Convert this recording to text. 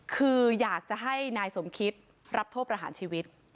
คืออยากจะให้นายสมคิตรับโทษประหารชีวิต